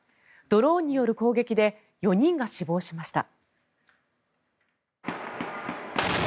ドローンによる攻撃で４人が死亡しました。